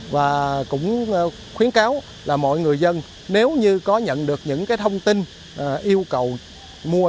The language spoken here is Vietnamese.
và cũng khuyến cáo là mọi người dân nếu như có nhận được những thông tin yêu cầu mua